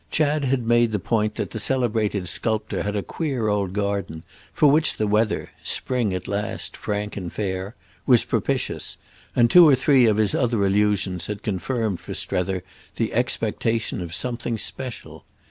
Chad had made the point that the celebrated sculptor had a queer old garden, for which the weather—spring at last frank and fair—was propitious; and two or three of his other allusions had confirmed for Strether the expectation of something special.